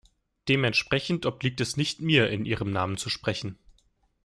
Dementsprechend obliegt es nicht mir, in ihrem Namen zu sprechen.